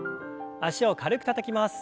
脚を軽くたたきます。